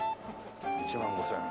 １万５０００円